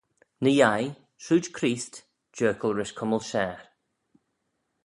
Ny-yeih, trooid Chreest, jerkal rish cummal share.